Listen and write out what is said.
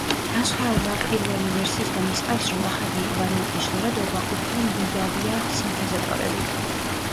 განსხვავება პირველი ვერსიისგან ის არის, რომ ახალი ვარიანტის ჟღერადობა უფრო მდიდარია სინთეზატორებით.